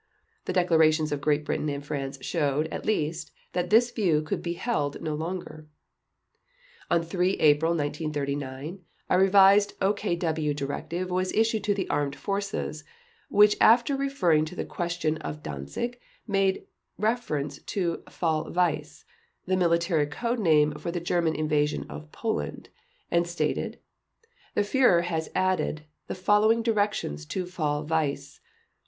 The declarations of Great Britain and France showed, at least, that this view could be held no longer. On 3 April 1939 a revised OKW directive was issued to the Armed Forces, which after referring to the question of Danzig made reference to Fall Weiss (the military code name for the German invasion of Poland) and stated: "The Führer has added the following directions to Fall Weiss.